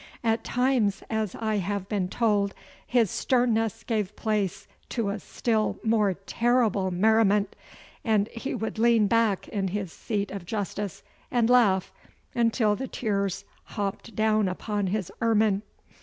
At times, as I have been told, his sternness gave place to a still more terrible merriment, and he would lean back in his seat of justice and laugh until the tears hopped down upon his ermine.